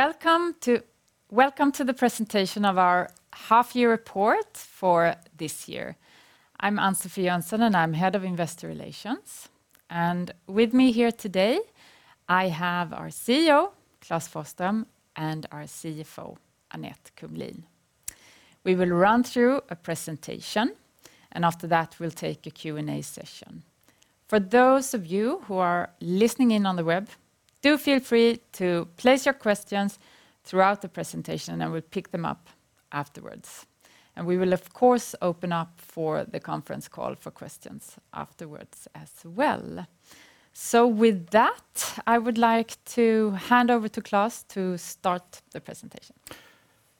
Welcome to the presentation of our half-year report for this year. I'm Ann-Sofi Jönsson, and I'm Head of Investor Relations. With me here today, I have our CEO, Klas Forsström, and our CFO, Anette Kumlien. We will run through a presentation, and after that, we'll take a Q&A session. For those of you who are listening in on the web, do feel free to place your questions throughout the presentation, and we'll pick them up afterwards. We will, of course, open up for the conference call for questions afterwards as well. With that, I would like to hand over to Klas to start the presentation.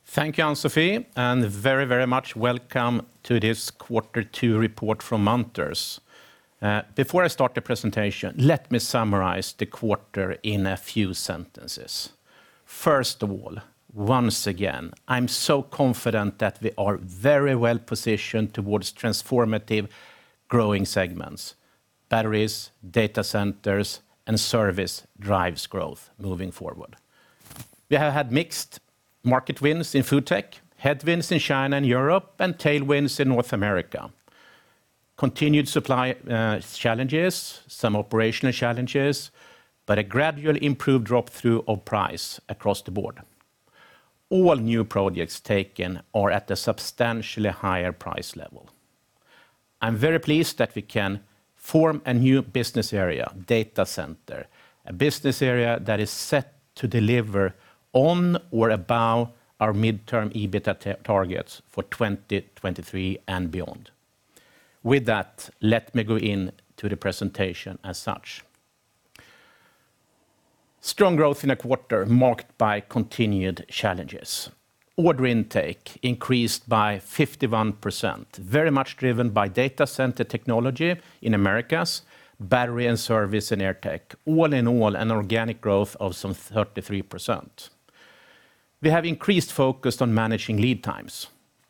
Thank you, Ann-Sofi, and very, very much welcome to this quarter two report from Munters. Before I start the presentation, let me summarize the quarter in a few sentences. First of all, once again, I'm so confident that we are very well-positioned towards transformative growing segments, batteries, data centers, and service drives growth moving forward. We have had mixed market winds in FoodTech, headwinds in China and Europe, and tailwinds in North America. Continued supply challenges, some operational challenges, but a gradual improved drop-through of price across the board. All new projects taken are at a substantially higher price level. I'm very pleased that we can form a new business area, data center, a business area that is set to deliver on or above our midterm EBITA targets for 2023 and beyond. With that, let me go into the presentation as such. Strong growth in a quarter marked by continued challenges. Order intake increased by 51%, very much driven by Data Center Technologies in Americas, battery and service in AirTech. All in all, an organic growth of some 33%. We have increased focus on managing lead times.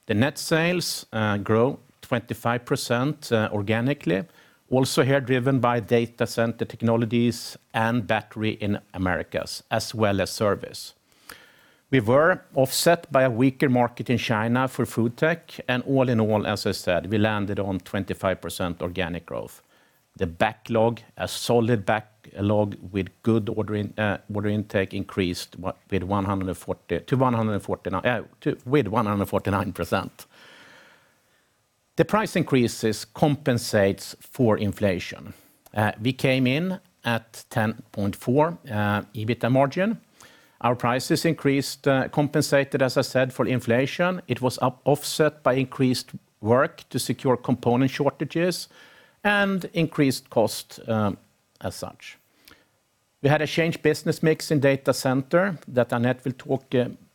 The net sales grow 25%, organically, also here driven by Data Center Technologies and battery in Americas, as well as service. We were offset by a weaker market in China for FoodTech, and all in all, as I said, we landed on 25% organic growth. The backlog, a solid backlog with good ordering, order intake increased with 149%. The price increases compensates for inflation. We came in at 10.4% EBITA margin. Our prices increased, compensated, as I said, for inflation. It was offset by increased work to secure component shortages and increased cost, as such. We had a changed business mix in data center that Anette will talk,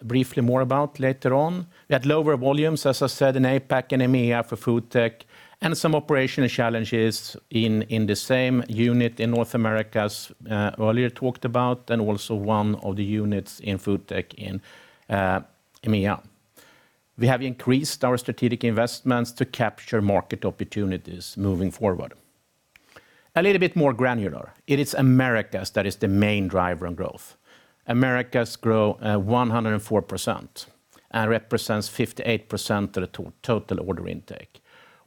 briefly more about later on. We had lower volumes, as I said, in APAC and EMEA for FoodTech and some operational challenges in the same unit in North America, earlier talked about, and also one of the units in FoodTech in EMEA. We have increased our strategic investments to capture market opportunities moving forward. A little bit more granular. It is Americas that is the main driver on growth. Americas grow 104% and represents 58% of the total order intake.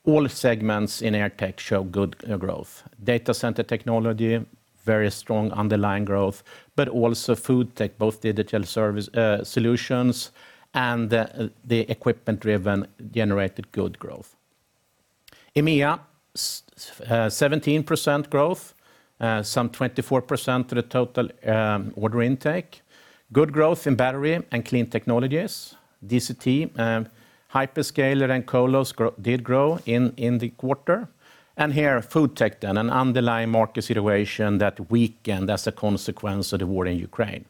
All segments in AirTech show good growth. Data Center Technologies, very strong underlying growth, but also FoodTech, both digital service solutions and the equipment-driven generated good growth. EMEA, 17% growth, some 24% of the total order intake. Good growth in battery and Clean Technologies. DCT, hyperscaler and colos did grow in the quarter. Here, FoodTech, then, an underlying market situation that weakened as a consequence of the war in Ukraine.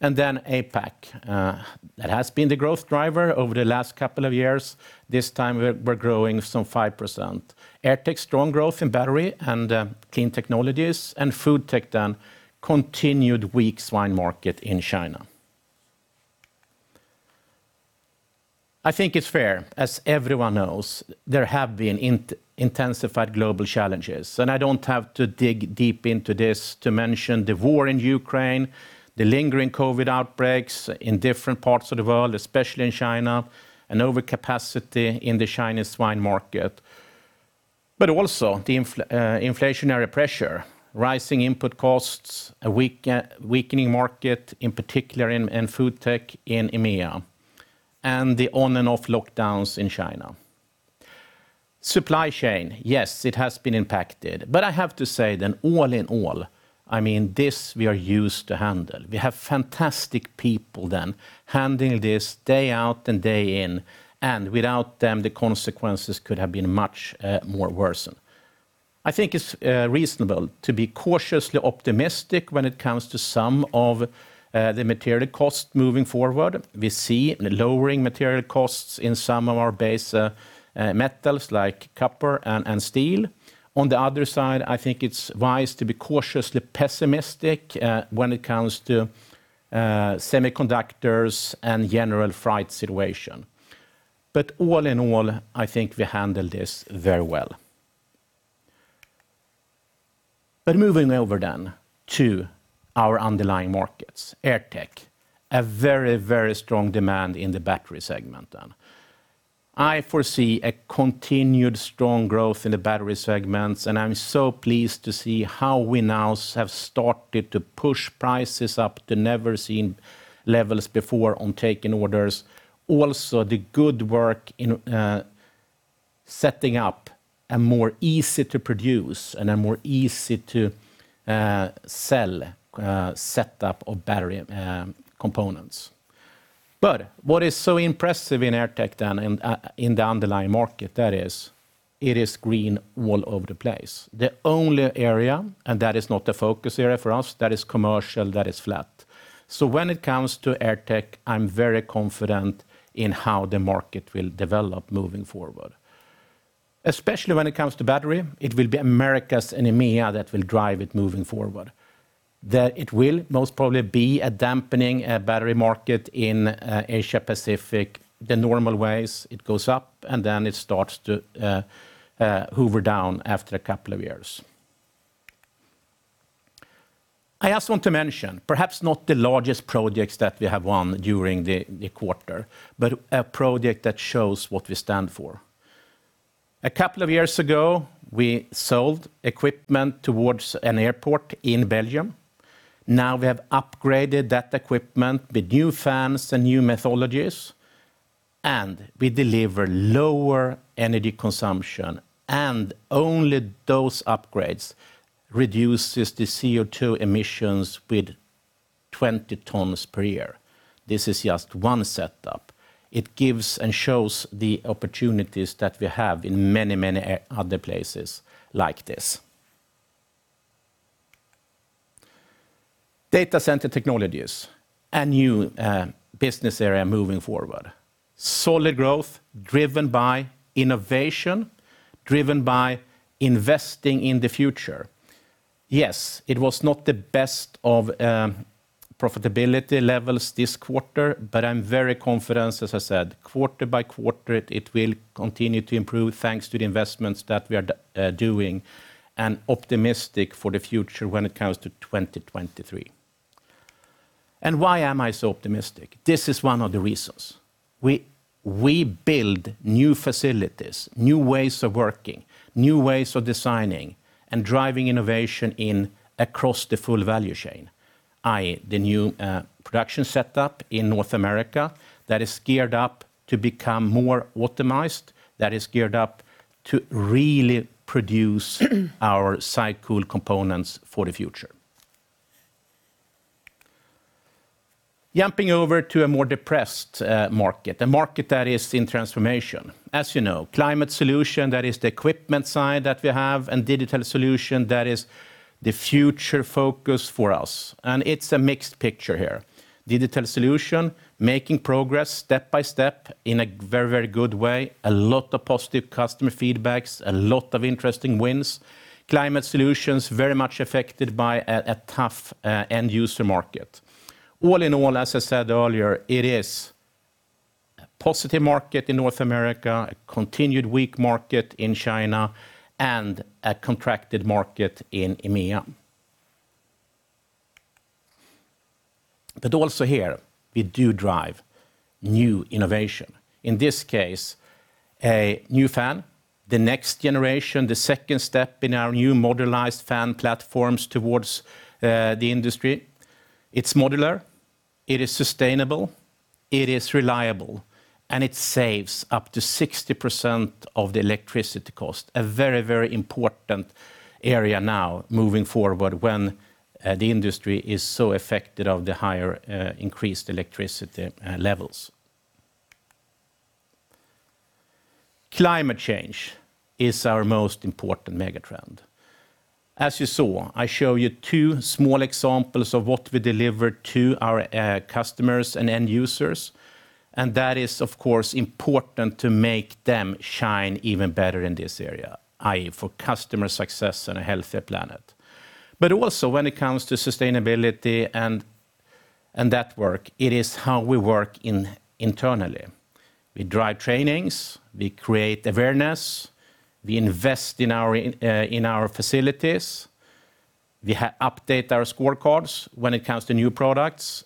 Then APAC, that has been the growth driver over the last couple of years. This time, we're growing some 5%. AirTech, strong growth in battery and Clean Technologies, and FoodTech, then, continued weak swine market in China. I think it's fair, as everyone knows, there have been intensified global challenges, and I don't have to dig deep into this to mention the war in Ukraine, the lingering COVID outbreaks in different parts of the world, especially in China, and overcapacity in the Chinese swine market. Also the inflationary pressure, rising input costs, a weakening market, in particular in FoodTech in EMEA, and the on-and-off lockdowns in China. Supply chain, yes, it has been impacted, but I have to say that all in all, I mean, this we are used to handle. We have fantastic people, then, handling this day out and day in, and without them, the consequences could have been much more worsened. I think it's reasonable to be cautiously optimistic when it comes to some of the material costs moving forward. We see lowering material costs in some of our base metals like copper and steel. On the other side, I think it's wise to be cautiously pessimistic when it comes to semiconductors and general freight situation. All in all, I think we handle this very well. Moving over to our underlying markets, AirTech, a very strong demand in the battery segment. I foresee a continued strong growth in the battery segments, and I'm so pleased to see how we now have started to push prices up to never seen levels before on taking orders. Also, the good work in setting up a more easy to produce and a more easy to sell setup of battery components. What is so impressive in AirTech then in the underlying market, that is, it is green all over the place. The only area, and that is not a focus area for us, that is commercial, that is flat. When it comes to AirTech, I'm very confident in how the market will develop moving forward. Especially when it comes to battery, it will be Americas and EMEA that will drive it moving forward. That it will most probably be a dampening battery market in Asia-Pacific, the normal ways it goes up, and then it starts to hoover down after a couple of years. I also want to mention, perhaps not the largest projects that we have won during the quarter, but a project that shows what we stand for. A couple of years ago, we sold equipment towards an airport in Belgium. Now we have upgraded that equipment with new fans and new methodologies, and we deliver lower energy consumption, and only those upgrades reduces the CO2 emissions with 20 tons per year. This is just one setup. It gives and shows the opportunities that we have in many, many other places like this. Data Center Technologies, a new business area moving forward. Solid growth driven by innovation, driven by investing in the future. Yes, it was not the best of profitability levels this quarter, but I'm very confident, as I said, quarter by quarter, it will continue to improve thanks to the investments that we are doing and optimistic for the future when it comes to 2023. Why am I so optimistic? This is one of the reasons. We build new facilities, new ways of working, new ways of designing, and driving innovation across the full value chain, i.e., the new production setup in North America that is geared up to become more optimized, that is geared up to really produce our SyCool components for the future. Jumping over to a more depressed market, a market that is in transformation. As you know, Climate solutions, that is the equipment side that we have, and Digital solutions, that is the future focus for us. It's a mixed picture here. Digital solutions, making progress step by step in a very, very good way. A lot of positive customer feedbacks, a lot of interesting wins. Climate solutions, very much affected by a tough end user market. All in all, as I said earlier, it is a positive market in North America, a continued weak market in China, and a contracted market in EMEA. Also here, we do drive new innovation. In this case, a new fan, the next generation, the second step in our new modularized fan platforms towards the industry. It's modular, it is sustainable, it is reliable, and it saves up to 60% of the electricity cost. A very, very important area now moving forward when the industry is so affected by the higher increased electricity levels. Climate change is our most important mega trend. As you saw, I show you two small examples of what we deliver to our customers and end users, and that is, of course, important to make them shine even better in this area, i.e. for customer success and a healthier planet. Also when it comes to sustainability and that work, it is how we work internally. We drive trainings, we create awareness, we invest in our facilities, we update our scorecards when it comes to new products,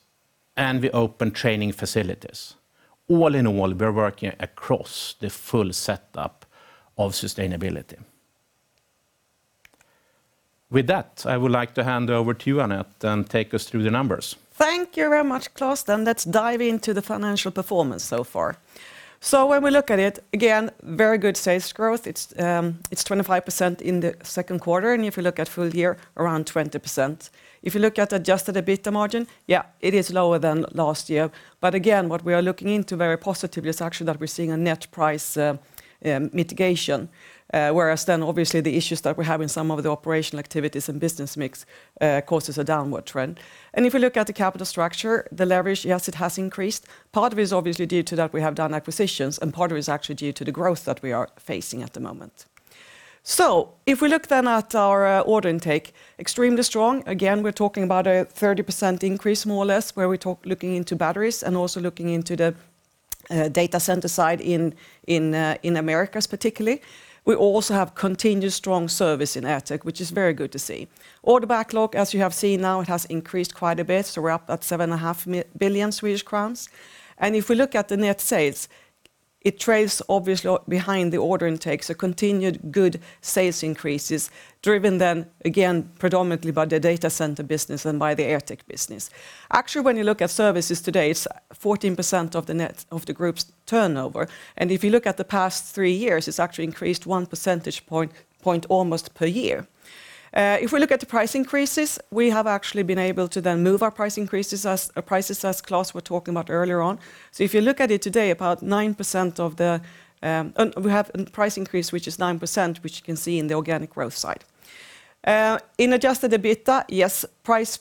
and we open training facilities. All in all, we're working across the full setup of sustainability. With that, I would like to hand over to you, Anette, and take us through the numbers. Thank you very much, Klas. Let's dive into the financial performance so far. When we look at it, again, very good sales growth. It's 25% in the second quarter, and if you look at full year, around 20%. If you look at adjusted EBITDA margin, yeah, it is lower than last year. Again, what we are looking into very positively is actually that we're seeing a net price mitigation, whereas then obviously the issues that we have in some of the operational activities and business mix causes a downward trend. If you look at the capital structure, the leverage, yes, it has increased. Part of it is obviously due to that we have done acquisitions, and part of it is actually due to the growth that we are facing at the moment. If we look at our order intake, extremely strong. Again, we're talking about a 30% increase more or less, looking into batteries and also looking into the data center side in Americas particularly. We also have continued strong service in AirTech, which is very good to see. Order backlog, as you have seen now, it has increased quite a bit, we're up at 7.5 billion Swedish crowns. If we look at the net sales, it trails obviously behind the order intakes, continued good sales increases, driven then again predominantly by the data center business and by the AirTech business. Actually, when you look at services today, it's 14% of the group's turnover, and if you look at the past three years, it's actually increased one percentage point almost per year. If we look at the price increases, we have actually been able to move our price increases as prices as Klas were talking about earlier on. If you look at it today, about 9% we have a price increase which is 9%, which you can see in the organic growth side. In adjusted EBITA, yes, price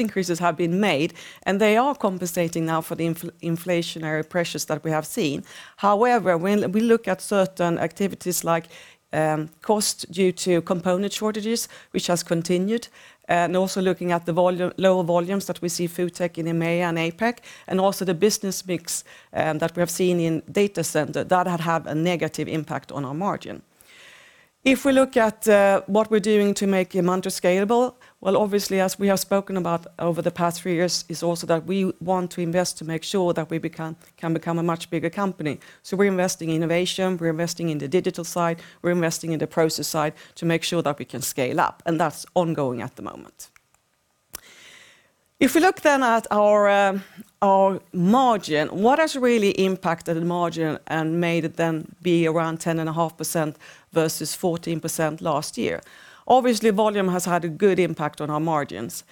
increases have been made, and they are compensating now for the inflationary pressures that we have seen. However, when we look at certain activities like cost due to component shortages, which has continued, and also looking at the lower volumes that we see FoodTech in EMEA and APAC, and also the business mix, that we have seen in data center, that has had a negative impact on our margin. If we look at what we're doing to make Munters scalable, well, obviously as we have spoken about over the past three years, is also that we want to invest to make sure that we can become a much bigger company. We're investing in innovation, we're investing in the digital side, we're investing in the process side to make sure that we can scale up, and that's ongoing at the moment. If we look then at our margin, what has really impacted the margin and made it then be around 10.5% versus 14% last year? Obviously, volume has had a good impact on our margins.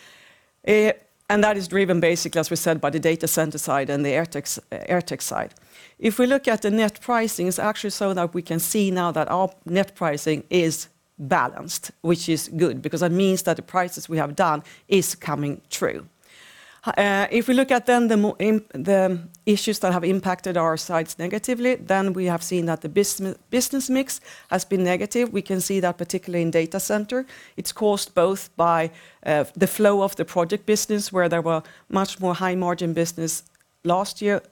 That is driven basically, as we said, by the data center side and the AirTech side. If we look at the net pricing, it's actually so that we can see now that our net pricing is balanced, which is good because that means that the prices we have done is coming through. If we look at the issues that have impacted our sides negatively, we have seen that the business mix has been negative. We can see that particularly in data center. It's caused both by the flow of the project business, where there were much more high-margin business last year,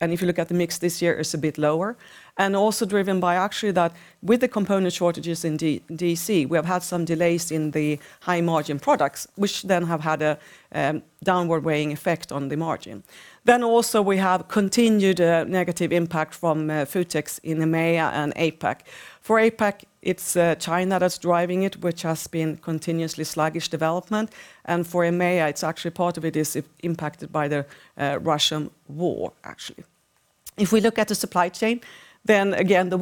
and if you look at the mix this year, it's a bit lower, and also driven by actually that with the component shortages in DC, we have had some delays in the high-margin products, which then have had a downward weighing effect on the margin. Also we have continued negative impact from FoodTech in EMEA and APAC. For APAC, it's China that's driving it, which has been continuously sluggish development, and for EMEA, it's actually part of it is impacted by the Russian war actually. If we look at the supply chain, then again, the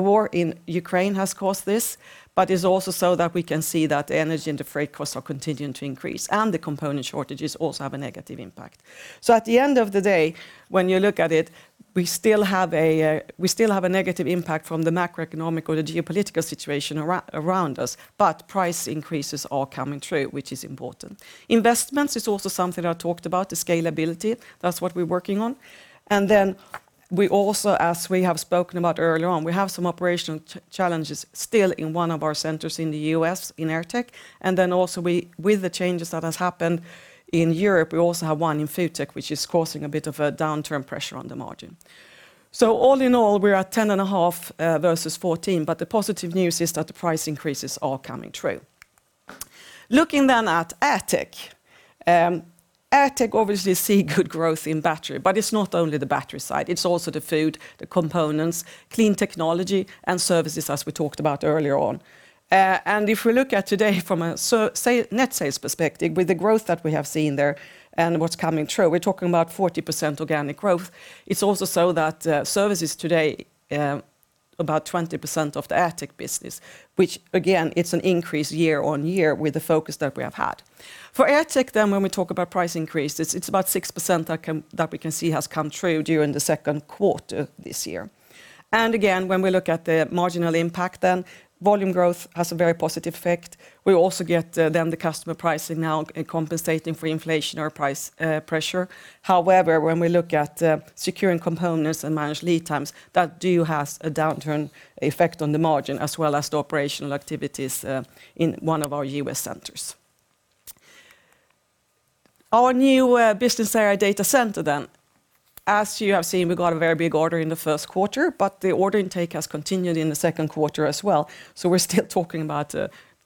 war in Ukraine has caused this, but it's also so that we can see that the energy and the freight costs are continuing to increase, and the component shortages also have a negative impact. At the end of the day, when you look at it, we still have a negative impact from the macroeconomic or the geopolitical situation around us, but price increases are coming true, which is important. Investments is also something I talked about, the scalability. That's what we're working on. We also, as we have spoken about earlier on, have some operational challenges still in one of our centers in the U.S. in AirTech. Then also we, with the changes that has happened in Europe, we also have one in FoodTech, which is causing a bit of a downturn pressure on the margin. All in all, we are at 10.5% versus 14%, but the positive news is that the price increases are coming true. Looking at AirTech. AirTech obviously see good growth in battery, but it's not only the battery side. It's also the food, the components, Clean Technologies, and services, as we talked about earlier on. If we look at today from a so, say, net sales perspective, with the growth that we have seen there and what's coming true, we're talking about 40% organic growth. It's also so that, services today, about 20% of the AirTech business, which again, it's an increase year-on-year with the focus that we have had. For AirTech then, when we talk about price increases, it's about 6% that we can see has come true during the second quarter this year. Again, when we look at the marginal impact then, volume growth has a very positive effect. We also get, then the customer pricing now compensating for inflation or price pressure. However, when we look at securing components and manage lead times, that do has a downturn effect on the margin as well as the operational activities in one of our U.S. centers. Our new business area Data Center then. As you have seen, we got a very big order in the first quarter, but the order intake has continued in the second quarter as well. We're still talking about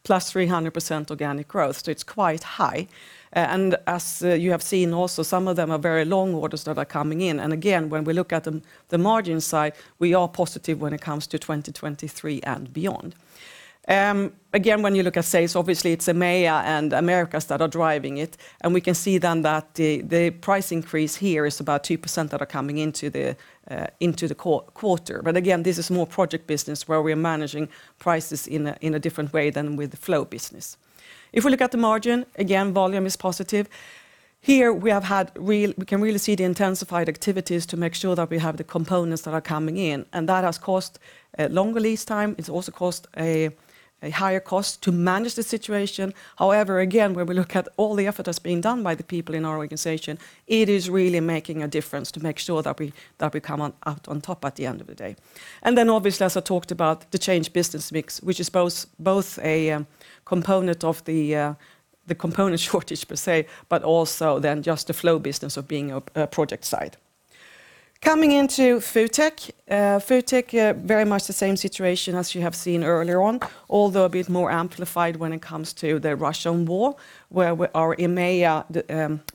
+300% organic growth, so it's quite high. As you have seen also, some of them are very long orders that are coming in. Again, when we look at the margin side, we are positive when it comes to 2023 and beyond. Again, when you look at sales, obviously it's EMEA and Americas that are driving it, and we can see then that the price increase here is about 2% that are coming into the quarter. Again, this is more project business where we're managing prices in a different way than with the flow business. If we look at the margin, again, volume is positive. Here, we can really see the intensified activities to make sure that we have the components that are coming in, and that has caused longer lead time. It's also caused a higher cost to manage the situation. However, again, when we look at all the effort that's been done by the people in our organization, it is really making a difference to make sure that we come out on top at the end of the day. Obviously, as I talked about the change business mix, which is both a component of the component shortage per se, but also then just the flow business of being a project side. Coming into FoodTech. FoodTech, very much the same situation as you have seen earlier on, although a bit more amplified when it comes to the Russian war, where our EMEA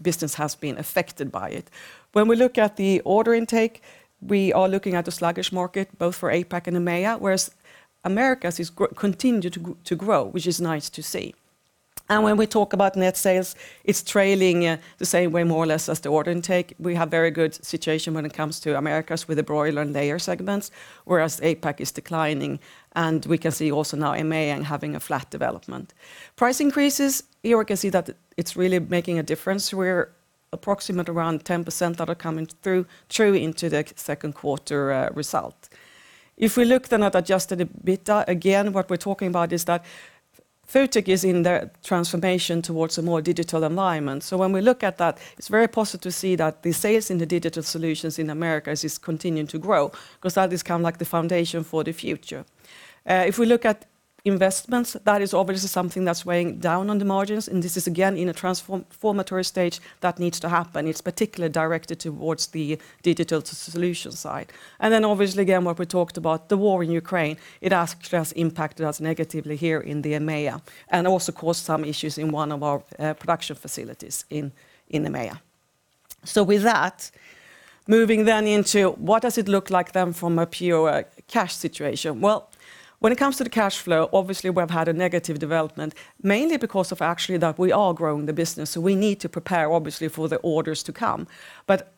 business has been affected by it. When we look at the order intake, we are looking at a sluggish market both for APAC and EMEA, whereas Americas continues to grow, which is nice to see. When we talk about net sales, it's trailing the same way more or less as the order intake. We have very good situation when it comes to Americas with the broiler and layer segments, whereas APAC is declining, and we can see also now EMEA having a flat development. Price increases, here we can see that it's really making a difference. We're approximately around 10% that are coming through into the second quarter result. If we look then at adjusted EBITDA, again, what we're talking about is that FoodTech is in the transformation towards a more digital alignment. When we look at that, it's very positive to see that the sales in the digital solutions in Americas is continuing to grow because that is kind of like the foundation for the future. If we look at investments, that is obviously something that's weighing down on the margins, and this is again in a transformatory stage that needs to happen. It's particularly directed towards the digital solution side. Then obviously again, when we talked about the war in Ukraine, it has just impacted us negatively here in the EMEA and also caused some issues in one of our production facilities in EMEA. With that, moving then into what does it look like then from a pure cash situation? Well, when it comes to the cash flow, obviously we've had a negative development, mainly because of actually that we are growing the business, so we need to prepare obviously for the orders to come.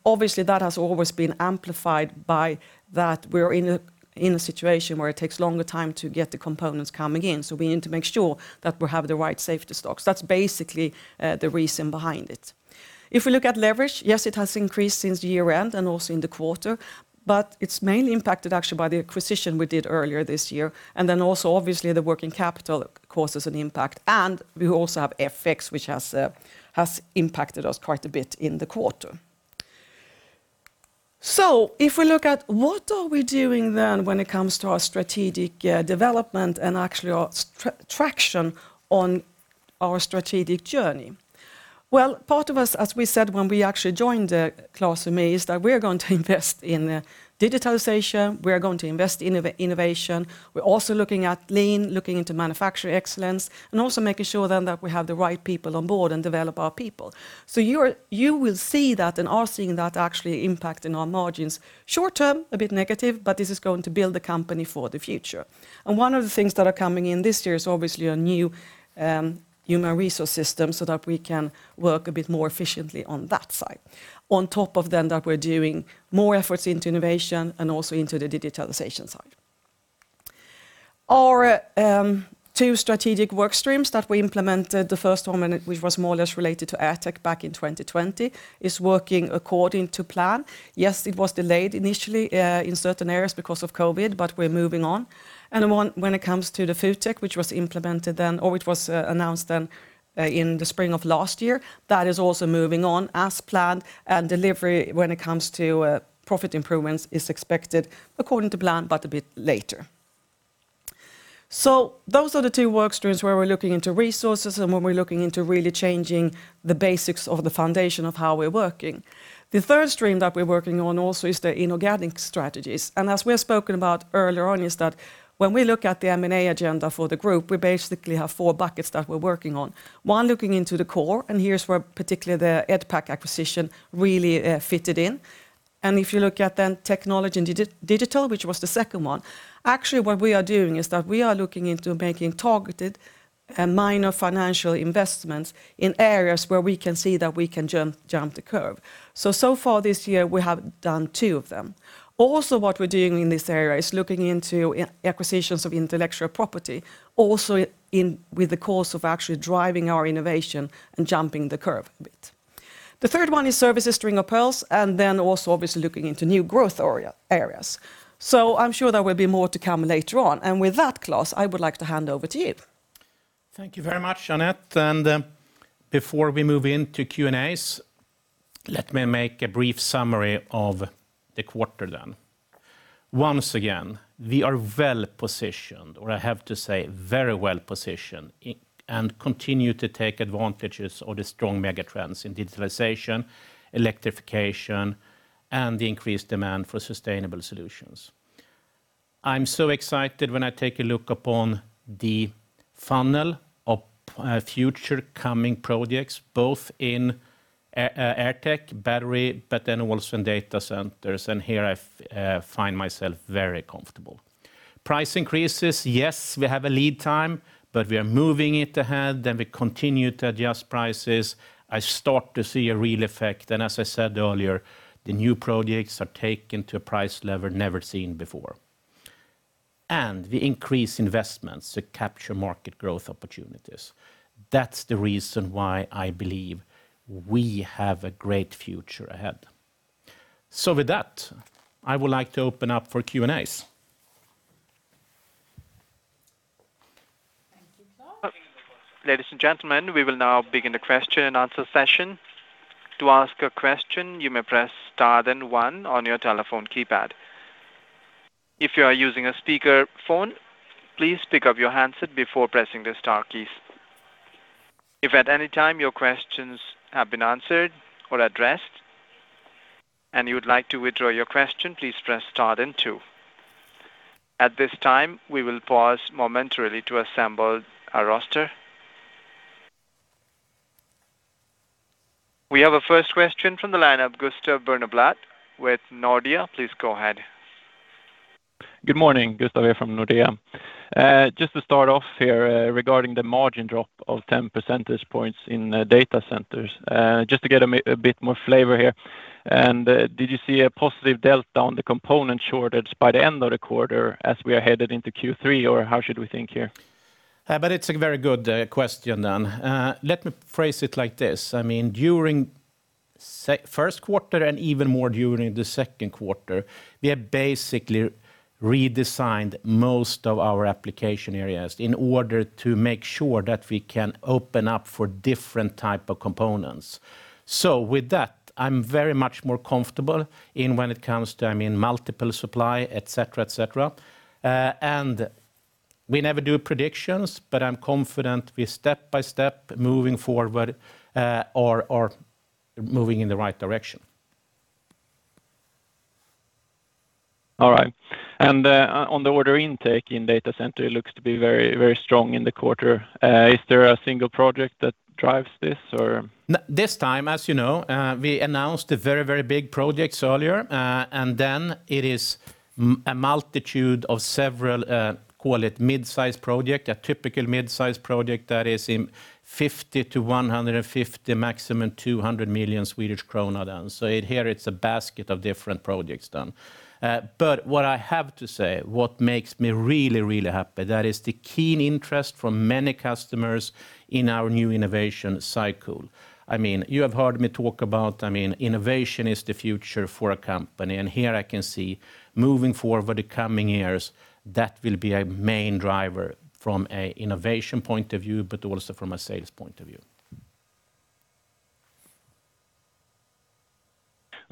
Obviously that has always been amplified by that we're in a situation where it takes longer time to get the components coming in, so we need to make sure that we have the right safety stocks. That's basically the reason behind it. If we look at leverage, yes, it has increased since year-end and also in the quarter, but it's mainly impacted actually by the acquisition we did earlier this year, and then also obviously the working capital causes an impact, and we also have FX, which has impacted us quite a bit in the quarter. If we look at what we are doing then when it comes to our strategic development and actually our traction on our strategic journey? Well, part of what, as we said when we actually joined, Klas and me, is that we're going to invest in digitalization, we are going to invest in innovation, we're also looking at Lean, looking into manufacturing excellence, and also making sure then that we have the right people on board and develop our people. You will see that and are seeing that actually impacting our margins. Short term, a bit negative, but this is going to build the company for the future. One of the things that are coming in this year is obviously a new human resource system so that we can work a bit more efficiently on that side. On top of that we're doing more efforts into innovation and also into the digitalization side. Our two strategic work streams that we implemented, the first one which was more or less related to AirTech back in 2020, is working according to plan. Yes, it was delayed initially in certain areas because of COVID, but we're moving on. When it comes to the FoodTech, which was implemented then or which was announced in the spring of last year, that is also moving on as planned, and delivery when it comes to profit improvements is expected according to plan, but a bit later. Those are the two work streams where we're looking into resources and when we're looking into really changing the basics of the foundation of how we're working. The third stream that we're working on also is the inorganic strategies. As we have spoken about earlier on, is that when we look at the M&A agenda for the group, we basically have four buckets that we're working on. One, looking into the core, and here's where particularly the EDPAC acquisition really fitted in. If you look at then technology and digital, which was the second one, actually what we are doing is that we are looking into making targeted and minor financial investments in areas where we can see that we can jump the curve. So far this year, we have done two of them. Also what we're doing in this area is looking into acquisitions of intellectual property, also in the course of actually driving our innovation and jumping the curve a bit. The third one is services string of pearls, and then also obviously looking into new growth areas. I'm sure there will be more to come later on. With that, Klas, I would like to hand over to you. `Thank you very much, Anette. Before we move into Q&As, let me make a brief summary of the quarter then. Once again, we are well positioned, or I have to say very well positioned, and continue to take advantages of the strong megatrends in digitalization, electrification, and the increased demand for sustainable solutions. I'm so excited when I take a look upon the funnel of future coming projects, both in AirTech, battery, but then also in data centers, and here I find myself very comfortable. Price increases, yes, we have a lead time, but we are moving it ahead, and we continue to adjust prices. I start to see a real effect. As I said earlier, the new projects are taken to a price level never seen before. We increase investments to capture market growth opportunities. That's the reason why I believe we have a great future ahead. With that, I would like to open up for Q&As. Thank you, sir. Ladies and gentlemen, we will now begin the question and answer session. To ask a question, you may press star then one on your telephone keypad. If you are using a speakerphone, please pick up your handset before pressing the star keys. If at any time your questions have been answered or addressed and you would like to withdraw your question, please press star then two. At this time, we will pause momentarily to assemble a roster. We have a first question from the lineup, Gustav Berneblad with Nordea. Please go ahead. Good morning. Gustav here from Nordea. Just to start off here, regarding the margin drop of 10 percentage points in data centers, just to get a bit more flavor here. Did you see a positive delta on the component shortage by the end of the quarter as we are headed into Q3, or how should we think here? It's a very good question then. Let me phrase it like this. I mean, during first quarter and even more during the second quarter, we have basically redesigned most of our application areas in order to make sure that we can open up for different type of components. With that, I'm very much more comfortable in when it comes to, I mean, multiple supply, et cetera, et cetera. We never do predictions, but I'm confident we step-by-step moving forward, or moving in the right direction. All right. On the order intake in data center, it looks to be very, very strong in the quarter. Is there a single project that drives this or? This time, as you know, we announced a very, very big project earlier, and then it is a multitude of several, call it midsize projects. A typical midsize project that is in 50 million-150 million, maximum 200 million Swedish krona then. Here, it's a basket of different projects done. What I have to say, what makes me really, really happy, that is the keen interest from many customers in our new innovation cycle. I mean, you have heard me talk about, I mean, innovation is the future for a company, and here I can see moving forward the coming years, that will be a main driver from a innovation point of view, but also from a sales point of view.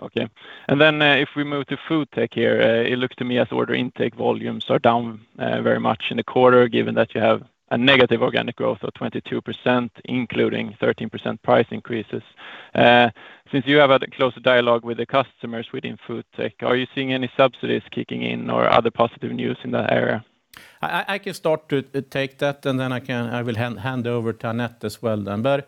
Okay. If we move to FoodTech here, it looks to me as order intake volumes are down very much in the quarter, given that you have a negative organic growth of 22%, including 13% price increases. Since you have had a closer dialogue with the customers within FoodTech, are you seeing any subsidies kicking in or other positive news in that area? I can start to take that, and then I will hand over to Anette as well then.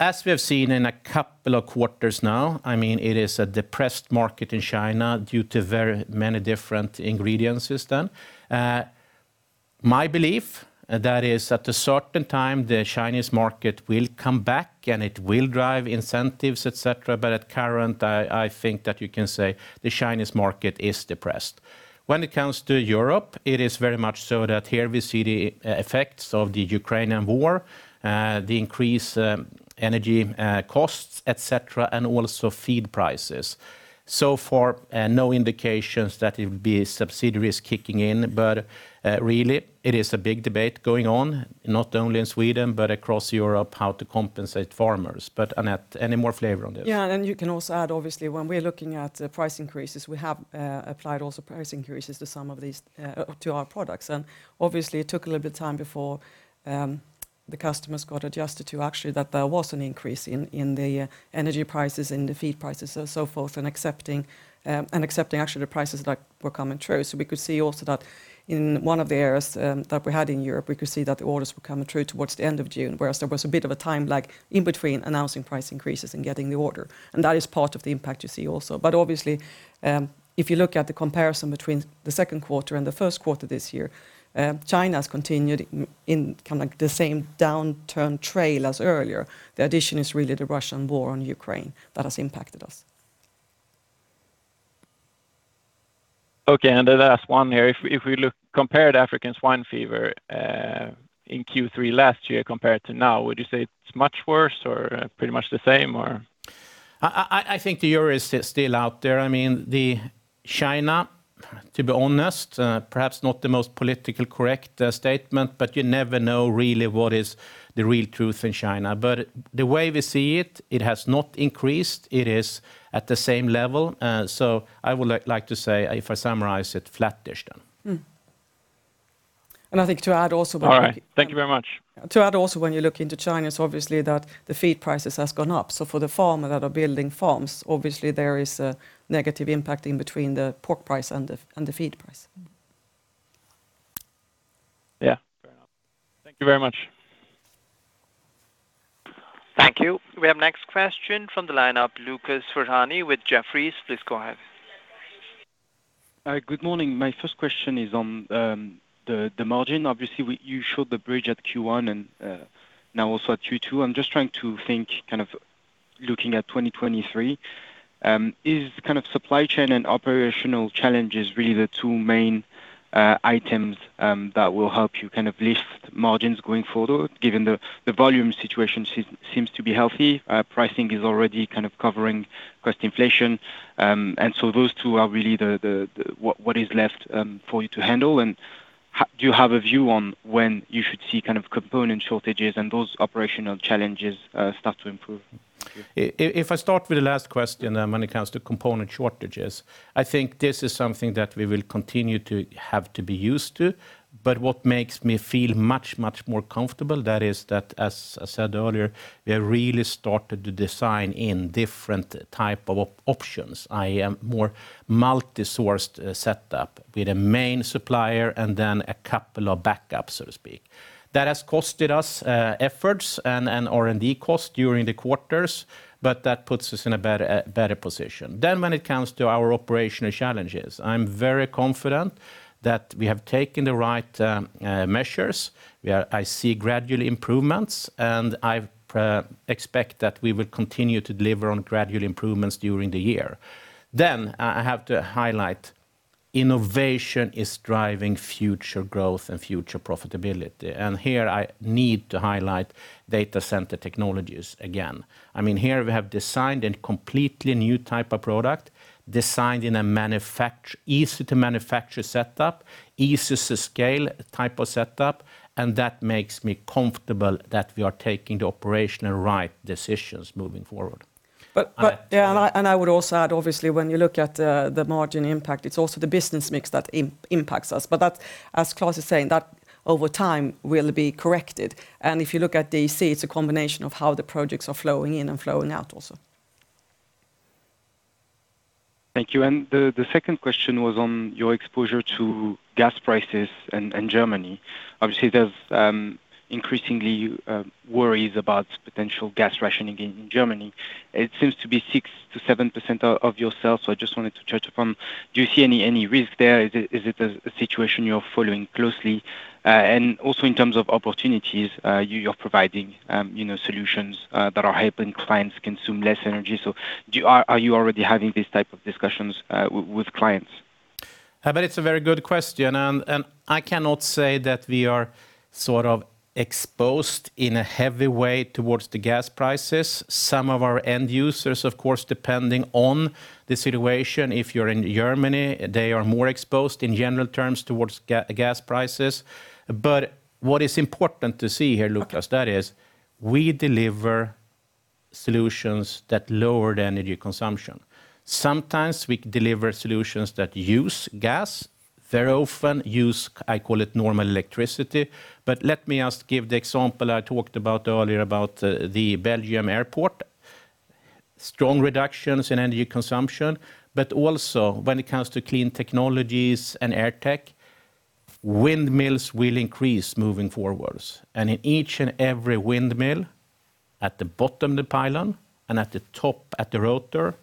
As we have seen in a couple of quarters now, I mean, it is a depressed market in China due to very many different incidents, systemic. My belief is that at a certain time the Chinese market will come back, and it will drive investments, et cetera. Currently, I think that you can say the Chinese market is depressed. When it comes to Europe, it is very much so that here we see the effects of the Ukrainian war, the increased energy costs, et cetera, and also feed prices. So far, no indications that it would be subsidiaries kicking in, but really it is a big debate going on, not only in Sweden but across Europe, how to compensate farmers. Anette, any more flavor on this? Yeah. You can also add, obviously, when we're looking at the price increases, we have applied also price increases to some of these to our products. Obviously it took a little bit of time before the customers got adjusted to actually that there was an increase in the energy prices, in the feed prices, so forth, and accepting actually the prices that were coming through. We could see also that in one of the areas that we had in Europe, we could see that the orders were coming through towards the end of June, whereas there was a bit of a time lag in between announcing price increases and getting the order. That is part of the impact you see also. Obviously, if you look at the comparison between the second quarter and the first quarter this year, China's continued in kind of like the same downturn trail as earlier. The addition is really the Russian war on Ukraine that has impacted us. Okay. The last one here. If we look compared African swine fever in Q3 last year compared to now, would you say it's much worse or pretty much the same or? I think the year is still out there. I mean, China, to be honest, perhaps not the most politically correct statement, but you never know really what is the real truth in China. The way we see it has not increased. It is at the same level. I would like to say, if I summarize it, flat-ish then. I think to add also about All right. Thank you very much. To add also when you look into China is obviously that the feed prices has gone up. For the farmer that are building farms, obviously there is a negative impact in between the pork price and the feed price. Yeah. Fair enough. Thank you very much. Thank you. We have next question from the lineup, Lucas Ferhani with Jefferies. Please go ahead. Good morning. My first question is on the margin. Obviously, you showed the bridge at Q1 and now also at Q2. I'm just trying to think kind of looking at 2023, is kind of supply chain and operational challenges really the two main items that will help you kind of lift margins going forward given the volume situation seems to be healthy, pricing is already kind of covering cost inflation. Those two are really what is left for you to handle. Do you have a view on when you should see kind of component shortages and those operational challenges start to improve? If I start with the last question, when it comes to component shortages, I think this is something that we will continue to have to be used to. What makes me feel much, much more comfortable that is that, as I said earlier, we have really started to design in different type of options. I more multi-sourced setup with a main supplier and then a couple of backup, so to speak. That has costed us efforts and R&D cost during the quarters, but that puts us in a better position. When it comes to our operational challenges, I'm very confident that we have taken the right measures, where I see gradual improvements, and I expect that we will continue to deliver on gradual improvements during the year. I have to highlight innovation is driving future growth and future profitability. Here I need to highlight Data Center Technologies again. I mean, here we have designed a completely new type of product, designed in an easy to manufacture setup, easy to scale type of setup, and that makes me comfortable that we are taking the operational right decisions moving forward. I would also add, obviously, when you look at the margin impact, it's also the business mix that impacts us. That, as Klas is saying, over time will be corrected. If you look at DC, it's a combination of how the projects are flowing in and flowing out also. Thank you. The second question was on your exposure to gas prices in Germany. Obviously, there's increasingly worries about potential gas rationing in Germany. It seems to be 6%-7% of your sales, so I just wanted to touch upon, do you see any risk there? Is it a situation you're following closely? And also in terms of opportunities, you're providing you know solutions that are helping clients consume less energy. Are you already having these type of discussions with clients? It's a very good question, and I cannot say that we are sort of exposed in a heavy way towards the gas prices. Some of our end users, of course, depending on the situation, if you're in Germany, they are more exposed in general terms towards gas prices. What is important to see here, Lucas, is that we deliver solutions that lower the energy consumption. Sometimes we deliver solutions that use gas, very often use, I call it, normal electricity. Let me just give the example I talked about earlier about the Belgian airport. Strong reductions in energy consumption, but also when it comes to Clean Technologies and AirTech, windmills will increase moving forward. In each and every windmill, at the bottom of the pylon and at the top at the rotor,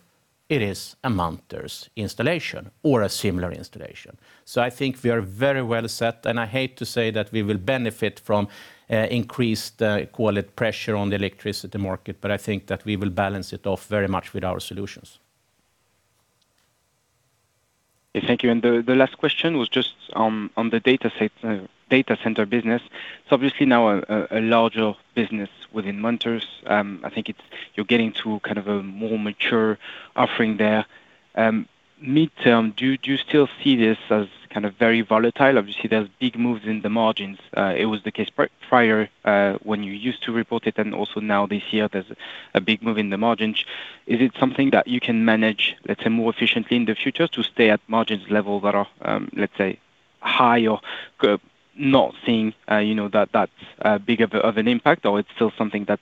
it is a Munters installation or a similar installation. I think we are very well set, and I hate to say that we will benefit from increased, call it, pressure on the electricity market, but I think that we will balance it off very much with our solutions. Yeah, thank you. The last question was just on the data center business. It's obviously now a larger business within Munters. I think it's you're getting to kind of a more mature offering there. Midterm, do you still see this as kind of very volatile? Obviously, there's big moves in the margins. It was the case prior when you used to report it and also now this year there's a big move in the margins. Is it something that you can manage, let's say, more efficiently in the future to stay at margins level that are, let's say, high or not seeing, you know, that big of an impact, or it's still something that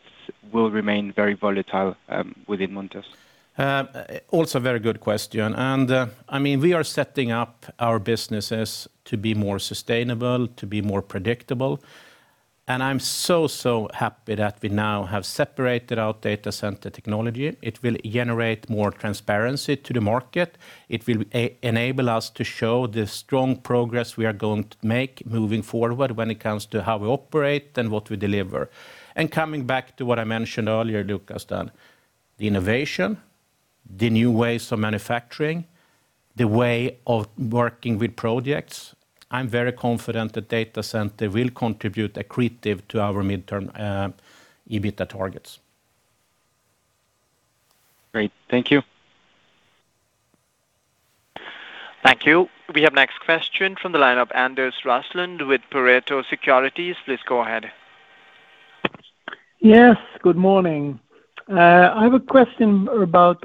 will remain very volatile within Munters? Also very good question. I mean, we are setting up our businesses to be more sustainable, to be more predictable. I'm so happy that we now have separated our Data Center Technologies. It will generate more transparency to the market. It will enable us to show the strong progress we are going to make moving forward when it comes to how we operate and what we deliver. Coming back to what I mentioned earlier, Lucas, then, the innovation, the new ways of manufacturing, the way of working with projects, I'm very confident that Data Center will contribute accretive to our midterm EBITDA targets. Great. Thank you. Thank you. We have next question from the line of Anders Roslund with Pareto Securities. Please go ahead. Yes, good morning. I have a question about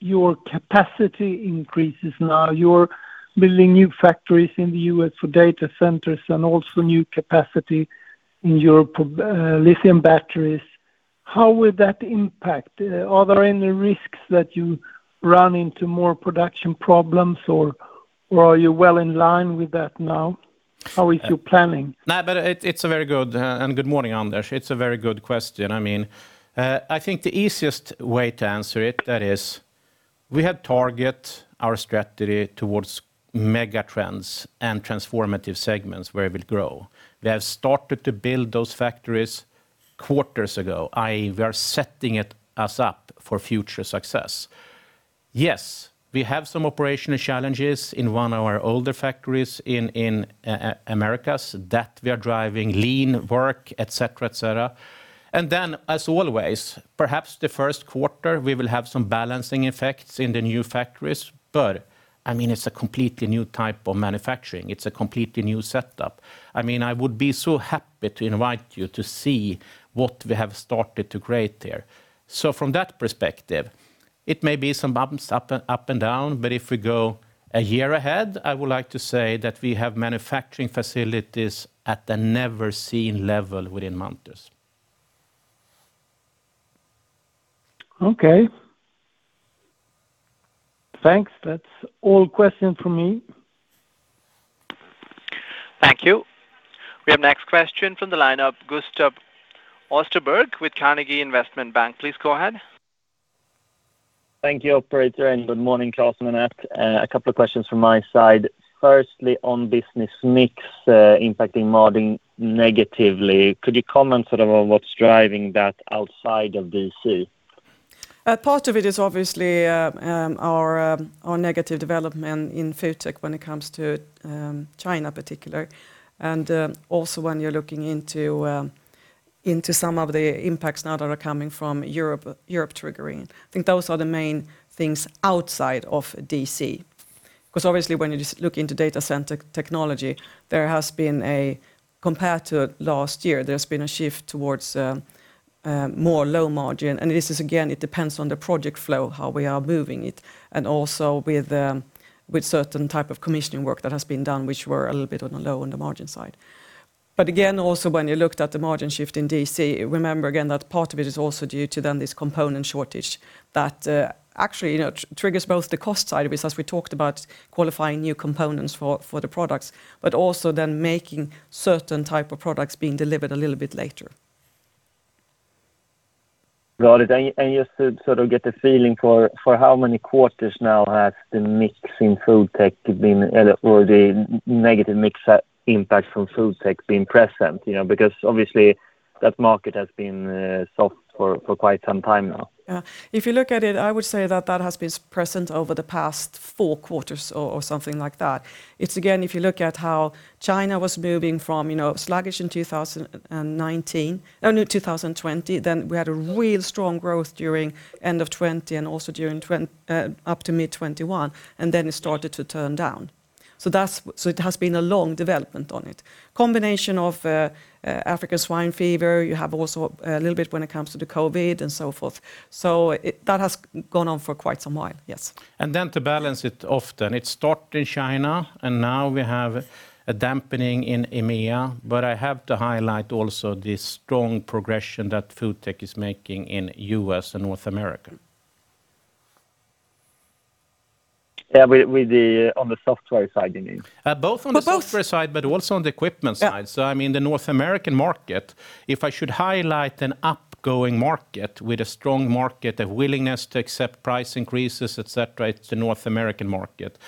your capacity increases now. You're building new factories in the U.S. for data centers and also new capacity in your lithium batteries. How will that impact? Are there any risks that you run into more production problems or are you well in line with that now? How is your planning? No, but it's a very good question. Good morning, Anders. It's a very good question. I mean, I think the easiest way to answer it, that is, we have targeted our strategy towards mega trends and transformative segments where it will grow. We have started to build those factories quarters ago, i.e., we are setting it up for future success. Yes, we have some operational challenges in one of our older factories in the Americas that we are driving Lean work, et cetera, et cetera. As always, perhaps the first quarter, we will have some balancing effects in the new factories. I mean, it's a completely new type of manufacturing. It's a completely new setup. I mean, I would be so happy to invite you to see what we have started to create there. From that perspective. It may be some bumps up and down, but if we go a year ahead, I would like to say that we have manufacturing facilities at the never seen level within Munters. Okay. Thanks. That's all questions for me. Thank you. We have next question from the line of Gustav Österberg with Carnegie Investment Bank. Please go ahead. Thank you operator, and good morning Klas and Anette. A couple of questions from my side. Firstly, on business mix, impacting margin negatively. Could you comment sort of on what's driving that outside of DC? Part of it is obviously our negative development in FoodTech when it comes to China in particular. Also when you're looking into some of the impacts now that are coming from Europe triggering. I think those are the main things outside of D.C.. 'Cause obviously when you just look into data center technology, there has been, compared to last year, a shift towards more low margin. This is again, it depends on the project flow, how we are moving it, and also with certain type of commissioning work that has been done, which were a little bit on the low on the margin side. Again, also when you looked at the margin shift in D.C., remember again that part of it is also due to then this component shortage that, actually, you know, triggers both the cost side of it as we talked about qualifying new components for the products, but also then making certain type of products being delivered a little bit later. Got it. Just to sort of get a feeling for how many quarters now has the mix in FoodTech been, or the negative mix impact from FoodTech, been present, you know, because obviously that market has been soft for quite some time now. If you look at it, I would say that has been present over the past four quarters or something like that. It's again, if you look at how China was moving from, you know, sluggish in 2020, then we had a real strong growth during end of 2020 and also during up to mid 2021, and then it started to turn down. It has been a long development on it. Combination of African swine fever. You have also a little bit when it comes to the COVID and so forth. That has gone on for quite some while. Yes. To balance it often, it start in China and now we have a dampening in EMEA. I have to highlight also the strong progression that FoodTech is making in U.S. and North America. Yeah. On the software side, you mean? Both on the software side, but also on the equipment side. Yeah. I mean, the North American market, if I should highlight an upgoing market with a strong market, a willingness to accept price increases, et cetera, it's the North American market.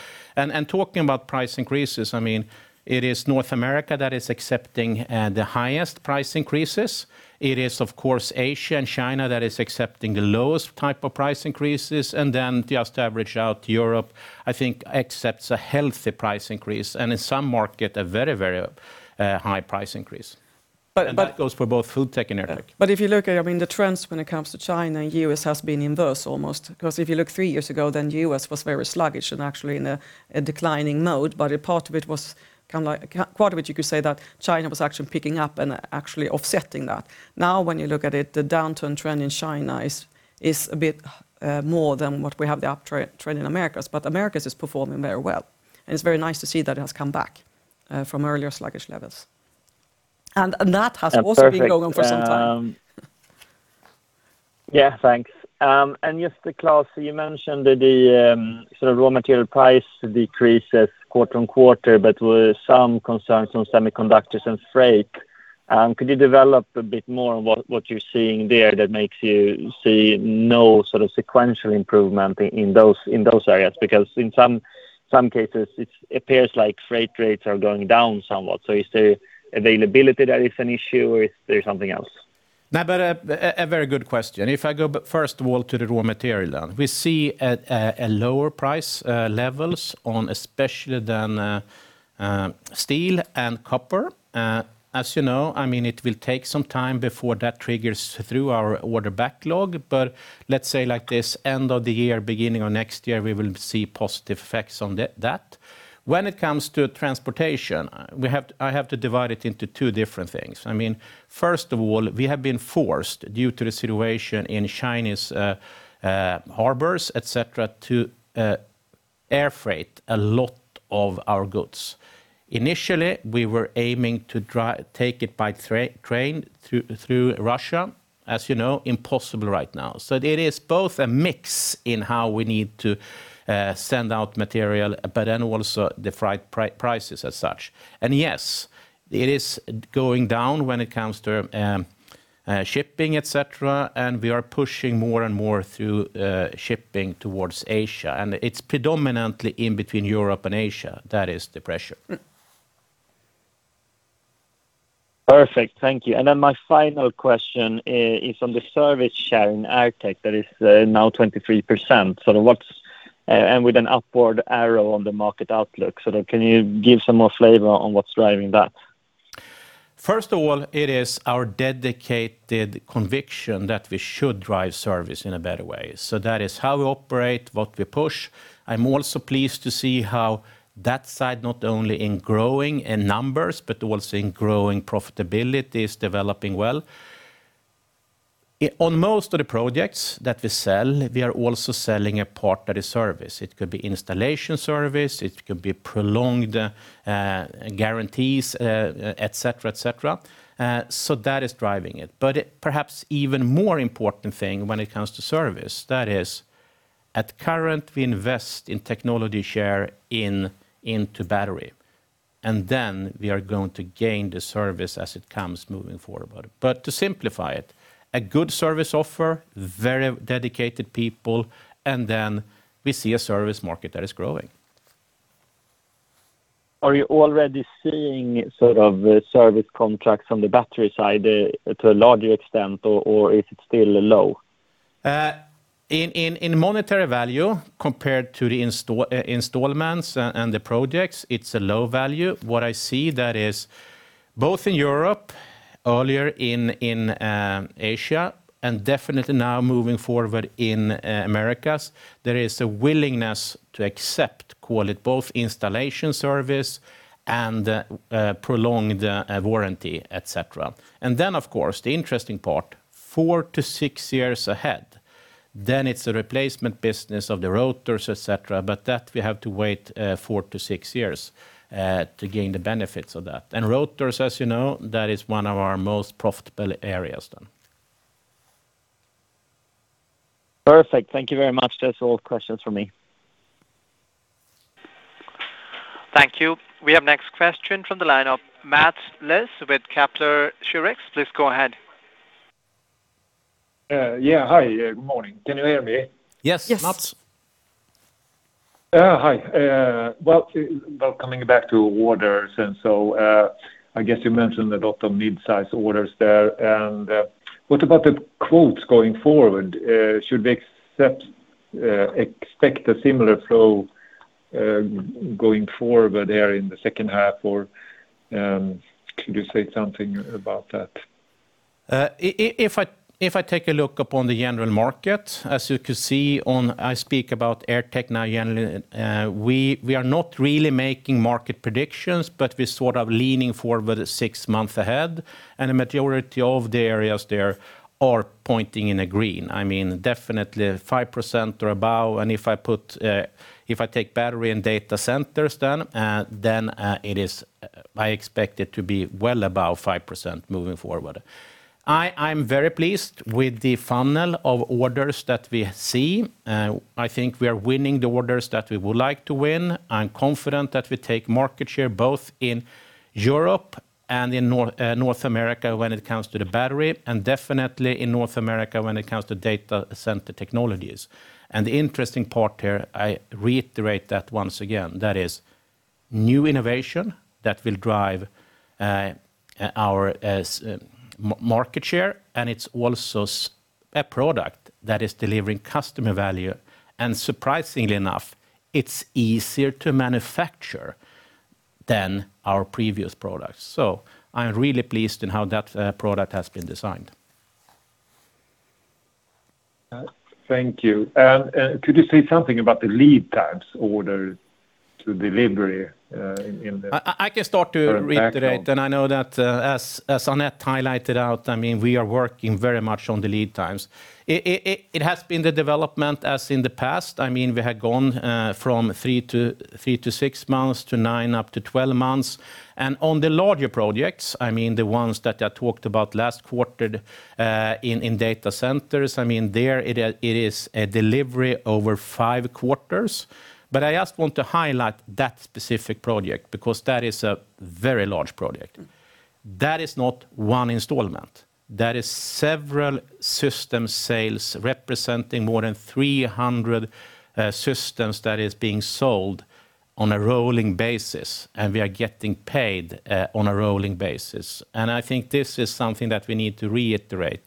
Talking about price increases, I mean, it is North America that is accepting the highest price increases. It is of course, Asia and China that is accepting the lowest type of price increases. Then just to average out Europe, I think accepts a healthy price increase, and in some market, a very high price increase. But, but. That goes for both FoodTech and AirTech. If you look at, I mean, the trends when it comes to China and U.S. has been inverse almost. 'Cause if you look three years ago, then U.S. was very sluggish and actually in a declining mode. A part of it you could say that China was actually picking up and actually offsetting that. Now when you look at it, the downturn trend in China is a bit more than what we have the uptrend in Americas, but Americas is performing very well, and it's very nice to see that it has come back from earlier sluggish levels. That has also been going on for some time. Yeah. Thanks. Just to Klas, you mentioned the sort of raw material price decreases quarter on quarter, but with some concerns on semiconductors and freight, could you develop a bit more on what you're seeing there that makes you see no sort of sequential improvement in those areas? Because in some cases it appears like freight rates are going down somewhat. Is the availability that is an issue or is there something else? No, a very good question. First of all to the raw material then. We see lower price levels on, especially on steel and copper. As you know, I mean, it will take some time before that trickles through our order backlog. Let's say like this end of the year, beginning of next year, we will see positive effects on that. When it comes to transportation, I have to divide it into two different things. I mean, first of all, we have been forced, due to the situation in Chinese harbors, et cetera, to air freight a lot of our goods. Initially, we were aiming to take it by train through Russia. As you know, impossible right now. It is both a mix in how we need to send out material, but then also the freight prices as such. Yes, it is going down when it comes to shipping, et cetera, and we are pushing more and more through shipping towards Asia, and it's predominantly in between Europe and Asia, that is the pressure. Perfect. Thank you. Then my final question is on the service share in AirTech that is now 23%, sort of, and with an upward arrow on the market outlook. Can you give some more flavor on what's driving that? First of all, it is our dedicated conviction that we should drive service in a better way. That is how we operate, what we push. I'm also pleased to see how that side, not only is growing in numbers, but also is growing in profitability, is developing well. On most of the projects that we sell, we are also selling a part that is service. It could be installation service, it could be prolonged guarantees, et cetera, et cetera. That is driving it. Perhaps even more important thing when it comes to service, that is, currently, we invest in technology sharing into battery, and then we are going to gain the service as it comes moving forward. To simplify it, a good service offer, very dedicated people, and then we see a service market that is growing. Are you already seeing sort of service contracts on the battery side to a larger extent, or is it still low? In monetary value compared to the installments and the projects, it's a low value. What I see that is both in Europe, earlier in Asia, and definitely now moving forward in Americas, there is a willingness to accept, call it both installation service and prolonged warranty, et cetera. Then, of course, the interesting part, four to six years ahead, then it's a replacement business of the rotors, et cetera, but that we have to wait four to six years to gain the benefits of that. Rotors, as you know, that is one of our most profitable areas then. Perfect. Thank you very much. That's all the questions for me. Thank you. We have next question from the line of Mats Liss with Kepler Cheuvreux. Please go ahead. Yeah. Hi. Good morning. Can you hear me? Yes. Yes, Mats. Hi. Well, coming back to orders, I guess you mentioned a lot of midsize orders there. What about the quotes going forward? Should we expect a similar flow going forward there in the second half, or could you say something about that? If I take a look upon the general market, I speak about AirTech now generally, we are not really making market predictions, but we're sort of leaning forward six months ahead, and the majority of the areas there are pointing in a green. I mean, definitely 5% or above. If I take battery and data centers then, it is. I expect it to be well above 5% moving forward. I'm very pleased with the funnel of orders that we see. I think we are winning the orders that we would like to win. I'm confident that we take market share both in Europe and in North America when it comes to the battery, and definitely in North America when it comes to data center technologies. The interesting part here, I reiterate that once again, that is new innovation that will drive our market share, and it's also a product that is delivering customer value. Surprisingly enough, it's easier to manufacture than our previous products. I'm really pleased in how that product has been designed. Thank you. Could you say something about the lead times order to delivery in the. I can start to reiterate. I know that, as Anette highlighted out, I mean, we are working very much on the lead times. It has been the development as in the past. I mean, we had gone from three to six months to nine, up to 12 months. On the larger projects, I mean, the ones that I talked about last quarter, in data centers, I mean, there it is a delivery over five quarters. I just want to highlight that specific project because that is a very large project. That is not one installment. That is several system sales representing more than 300 systems that is being sold on a rolling basis, and we are getting paid on a rolling basis. I think this is something that we need to reiterate.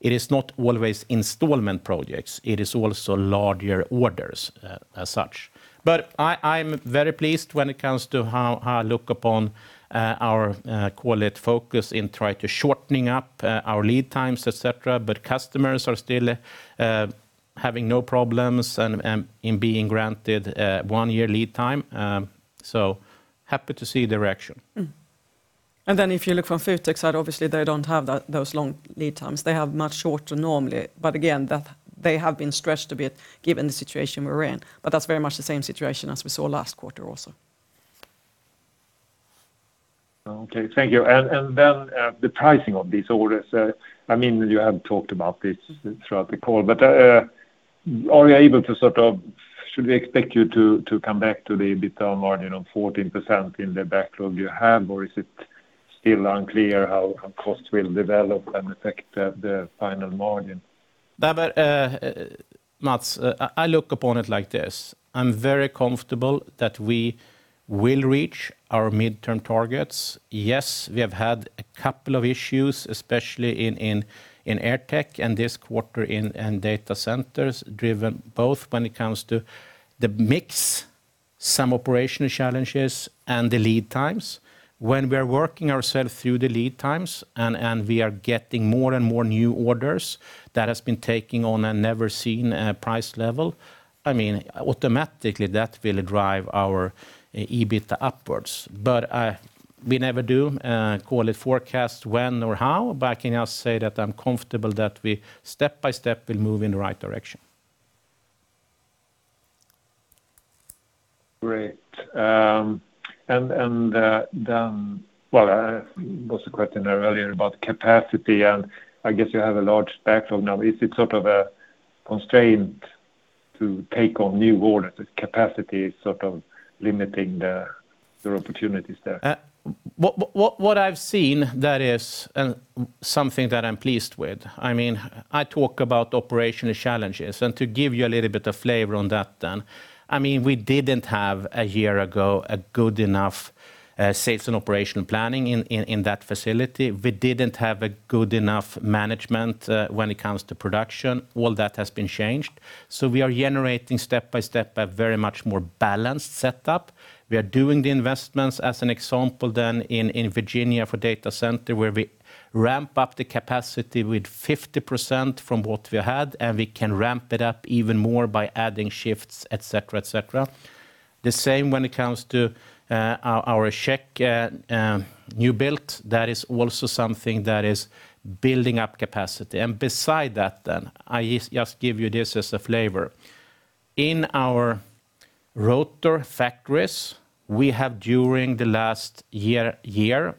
It is not always installation projects, it is also larger orders, as such. I'm very pleased when it comes to how I look upon our call it focus on trying to shortening up our lead times, et cetera, but customers are still having no problems and in being granted one-year lead time. Happy to see direction. Mm-hmm. If you look from future side, obviously, they don't have that, those long lead times. They have much shorter normally. Again, that they have been stretched a bit given the situation we're in, but that's very much the same situation as we saw last quarter also. Okay, thank you. The pricing of these orders. I mean, you have talked about this throughout the call, but should we expect you to come back to the EBITDA margin of 14% in the backlog you have, or is it still unclear how cost will develop and affect the final margin? That, Mats, I look upon it like this. I'm very comfortable that we will reach our midterm targets. Yes, we have had a couple of issues, especially in AirTech and this quarter in data centers, driven both when it comes to the mix, some operational challenges, and the lead times. When we are working ourselves through the lead times and we are getting more and more new orders that has been taking on a never seen price level, I mean, automatically, that will drive our EBITDA upwards. We never do call it forecast when or how, but I can now say that I'm comfortable that we step by step will move in the right direction. Great. There was a question earlier about capacity, and I guess you have a large backlog now. Is it sort of a constraint to take on new orders? The capacity is sort of limiting your opportunities there? What I've seen that is something that I'm pleased with. I mean, I talk about operational challenges. To give you a little bit of flavor on that then, I mean, we didn't have a year ago a good enough sales and operational planning in that facility. We didn't have a good enough management when it comes to production. All that has been changed. We are generating step by step a very much more balanced setup. We are doing the investments as an example in Virginia for data center, where we ramp up the capacity with 50% from what we had, and we can ramp it up even more by adding shifts, et cetera. The same when it comes to our shek new build, that is also something that is building up capacity. Besides that then, I just give you this as a flavor. In our rotor factories, we have during the last year,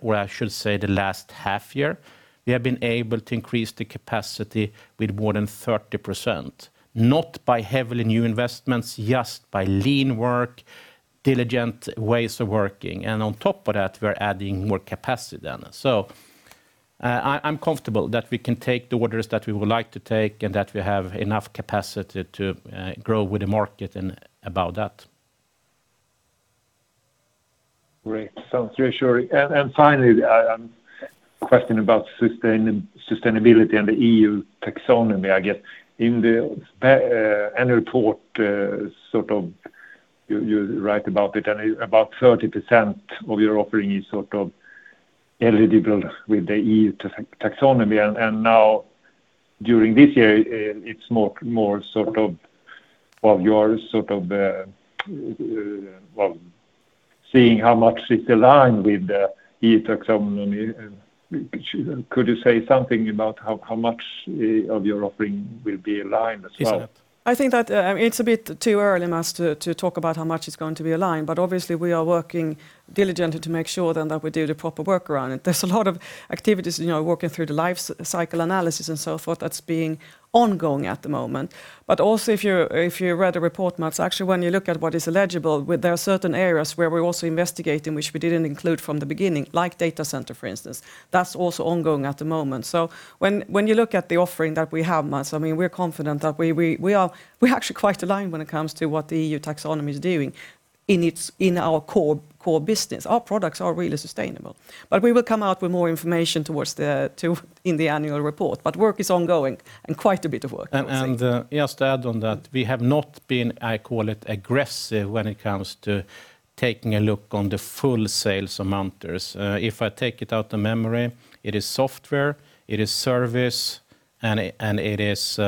or I should say the last half year, we have been able to increase the capacity with more than 30%, not by heavy new investments, just by Lean work, diligent ways of working, and on top of that, we're adding more capacity then. I'm comfortable that we can take the orders that we would like to take and that we have enough capacity to grow with the market, and that's about it. Great. Sounds reassuring. Finally, a question about sustainability and the E.U. taxonomy, I guess. In the annual report, sort of you write about it, and about 30% of your offering is sort of eligible with the E.U. taxonomy. Now during this year, it's more sort of what you are sort of well seeing how much it's aligned with the E.U. taxonomy. Could you say something about how much of your offering will be aligned as well? Yes. I think that it's a bit too early, Mats, to talk about how much is going to be aligned. Obviously we are working diligently to make sure then that we do the proper work around it. There's a lot of activities, you know, working through the life cycle analysis and so forth that's being ongoing at the moment. Also if you're, if you read the report, Mats, actually when you look at what is eligible, there are certain areas where we're also investigating, which we didn't include from the beginning, like data center, for instance. That's also ongoing at the moment. When you look at the offering that we have, Mats, I mean, we're confident that we're actually quite aligned when it comes to what the E.U. taxonomy is doing in its, in our core business. Our products are really sustainable. We will come out with more information in the annual report, but work is ongoing, and quite a bit of work, I would say. Just to add on that, we have not been, I call it, aggressive when it comes to taking a look on the full sales amount. If I take it from memory, it is software, it is service, and it is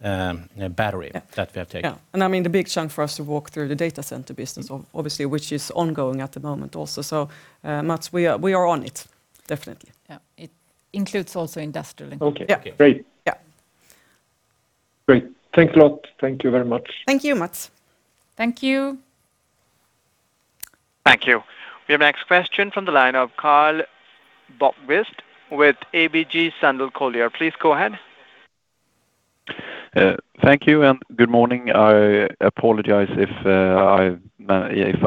battery that we have taken. Yeah. I mean, the big chunk for us to walk through the data center business obviously, which is ongoing at the moment also. Mats, we are on it, definitely. Yeah. It includes also industrial. Okay. Yeah. Great. Yeah. Great. Thanks a lot. Thank you very much. Thank you, Mats. Thank you. Thank you. We have next question from the line of Carl Bergkvist with ABG Sundal Collier. Please go ahead. Thank you and good morning. I apologize if I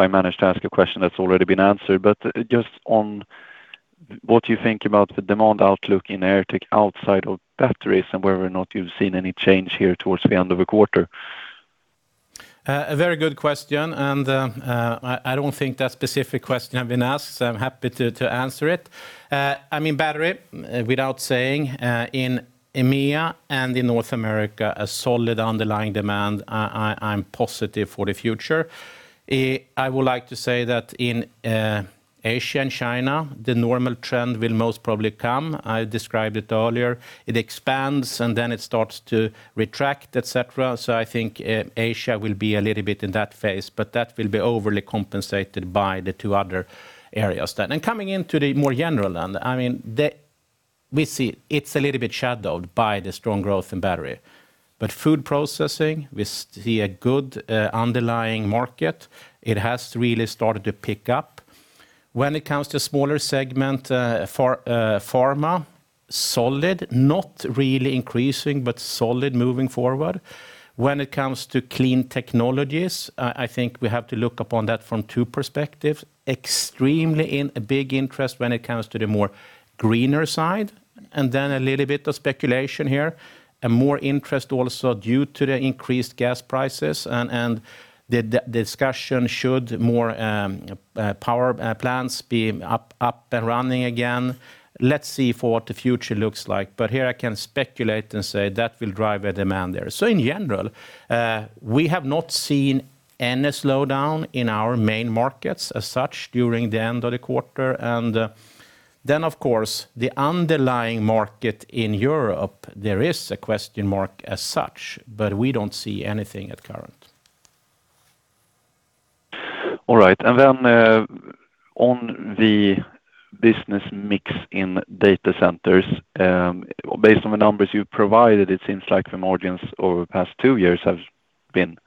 manage to ask a question that's already been answered. Just on what you think about the demand outlook in AirTech outside of batteries and whether or not you've seen any change here towards the end of the quarter? A very good question, and I don't think that specific question have been asked, so I'm happy to answer it. I mean, battery without saying in EMEA and in North America, a solid underlying demand, I'm positive for the future. I would like to say that in Asia and China, the normal trend will most probably come. I described it earlier. It expands and then it starts to retract, et cetera. I think Asia will be a little bit in that phase, but that will be overly compensated by the two other areas then. Coming into the more general then, I mean, we see it's a little bit shadowed by the strong growth in battery. Food processing, we see a good underlying market. It has really started to pick up. When it comes to smaller segment, pharma, solid, not really increasing, but solid moving forward. When it comes to Clean Technologies, I think we have to look upon that from two perspectives, extremely big interest when it comes to the greener side, and then a little bit of speculation here, and more interest also due to the increased gas prices and the discussion should more power plants be up and running again. Let's see what the future looks like. Here I can speculate and say that will drive a demand there. In general, we have not seen any slowdown in our main markets as such during the end of the quarter. Then, of course, the underlying market in Europe, there is a question mark as such, but we don't see anything currently. All right. On the business mix in data centers, based on the numbers you've provided, it seems like the margins over the past two years have been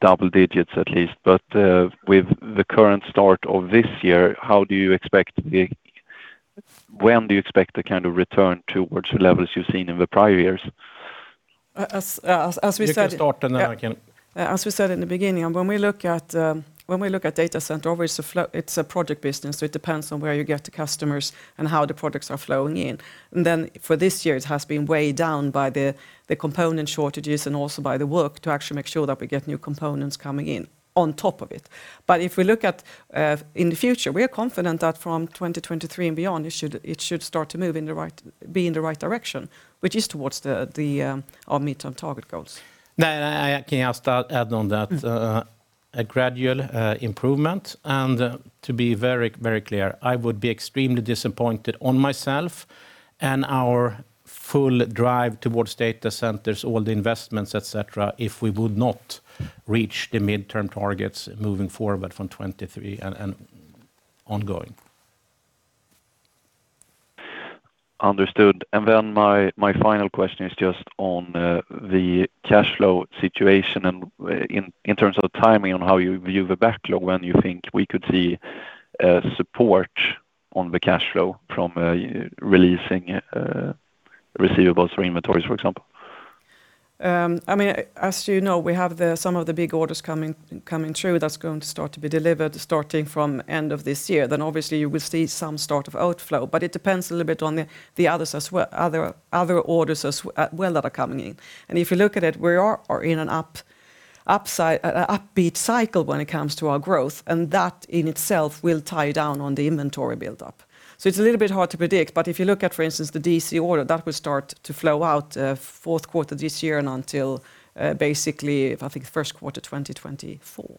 double digits at least. With the current start of this year, when do you expect the kind of return towards the levels you've seen in the prior years? As we said. You can start and then I can. As we said in the beginning, when we look at data center, always a flow. It's a project business, so it depends on where you get the customers and how the products are flowing in. Then for this year, it has been weighed down by the component shortages and also by the work to actually make sure that we get new components coming in on top of it. If we look at in the future, we are confident that from 2023 and beyond, it should start to move in the right be in the right direction, which is towards the our midterm target goals. No, I can just add on that. A gradual improvement. To be very, very clear, I would be extremely disappointed in myself and our full drive towards data centers, all the investments, et cetera, if we would not reach the midterm targets moving forward from 2023 and ongoing. Understood. Then my final question is just on the cash flow situation and in terms of the timing on how you view the backlog, when you think we could see support on the cash flow from releasing receivables or inventories, for example? I mean, as you know, we have some of the big orders coming through that's going to start to be delivered starting from end of this year. Obviously you will see some sort of outflow. It depends a little bit on the other orders as well that are coming in. If you look at it, we are in an upbeat cycle when it comes to our growth, and that in itself will tie down on the inventory buildup. It's a little bit hard to predict, but if you look at, for instance, the D.C. order, that will start to flow out, fourth quarter this year and until, basically, I think first quarter 2024.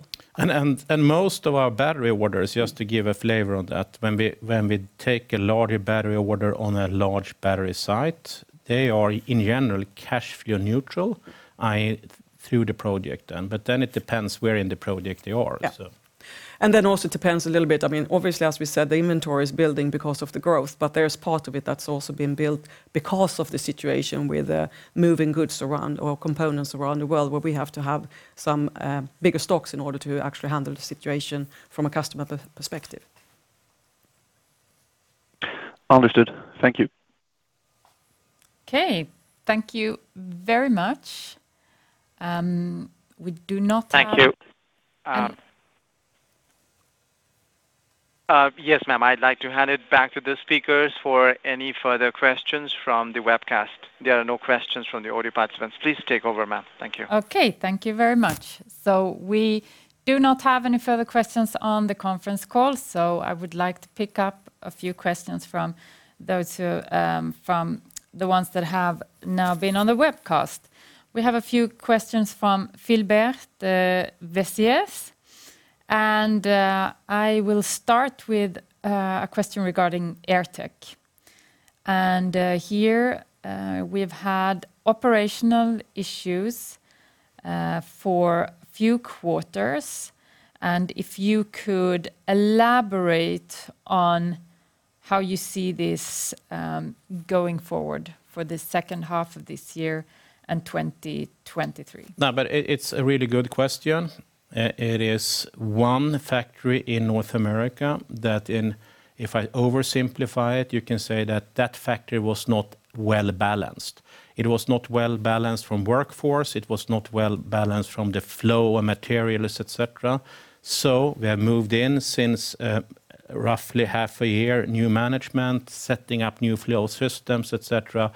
Most of our battery orders, just to give a flavor on that, when we take a larger battery order on a large battery site, they are in general cash flow neutral through the project then. It depends where in the project they are. Yeah. So... It also depends a little bit, I mean, obviously as we said, the inventory is building because of the growth, but there's part of it that's also been built because of the situation with moving goods around or components around the world, where we have to have some bigger stocks in order to actually handle the situation from a customer perspective. Understood. Thank you. Okay. Thank you very much. We do not have. Thank you. Yes, ma'am. I'd like to hand it back to the speakers for any further questions from the webcast. There are no questions from the audio participants. Please take over, ma'am. Thank you. Okay. Thank you very much. We do not have any further questions on the conference call, so I would like to pick up a few questions from the ones that have now been on the webcast. We have a few questions from Philbert Veissières. I will start with a question regarding AirTech. Here, we've had operational issues for few quarters, and if you could elaborate on how you see this going forward for the second half of this year and 2023. No, but it's a really good question. It is one factory in North America that, if I oversimplify it, you can say that factory was not well-balanced. It was not well-balanced from workforce, it was not well-balanced from the flow of materials, et cetera. We have moved in since roughly half a year, new management, setting up new flow systems, et cetera.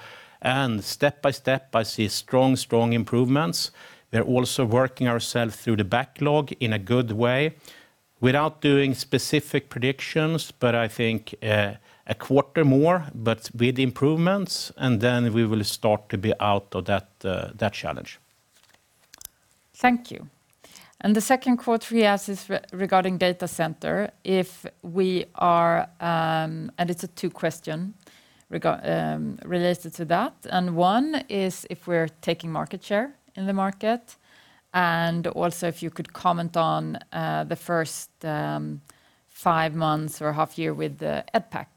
Step by step, I see strong improvements. We're also working ourselves through the backlog in a good way without doing specific predictions, but I think a quarter more, but with improvements, and then we will start to be out of that challenge. Thank you. The second question he asked is regarding data center, if we are. It's two questions related to that. One is if we're taking market share in the market, and also if you could comment on the first five months or half year with the EDPAC.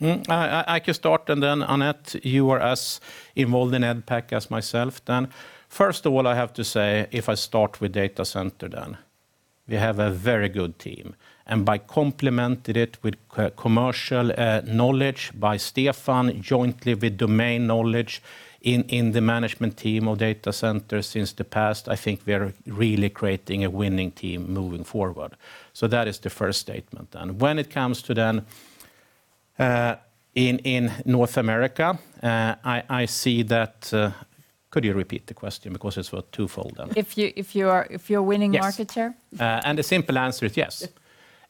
I can start, then Anette, you were as involved in EDPAC as myself then. First of all, I have to say, if I start with data center then, we have a very good team. By complementing it with commercial knowledge by Stefan jointly with domain knowledge in the management team of data center in the past, I think we are really creating a winning team moving forward. That is the first statement. When it comes to in North America, I see that. Could you repeat the question? Because it's twofold then. If you're winning market share? Yes. The simple answer is yes.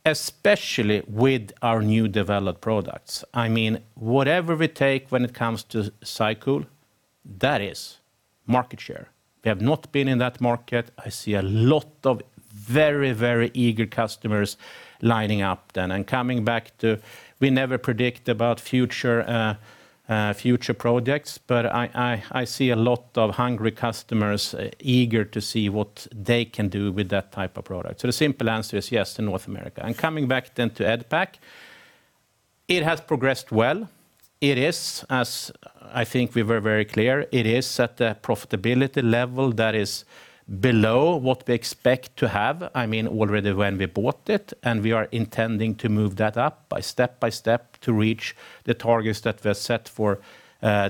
Especially with our new developed products. I mean, whatever we take when it comes to cycle, that is market share. We have not been in that market. I see a lot of very, very eager customers lining up then. Coming back to, we never predict about future projects, but I see a lot of hungry customers eager to see what they can do with that type of product. The simple answer is yes in North America. Coming back then to EDPAC, it has progressed well. I think we were very clear. It is at a profitability level that is below what we expect to have. I mean, already when we bought it, and we are intending to move that up step by step to reach the targets that were set for